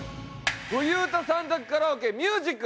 冬うた３択カラオケミュージック。